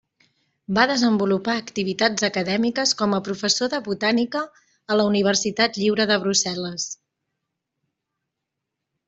Va desenvolupar activitats acadèmiques com a professor de botànica a la Universitat Lliure de Brussel·les.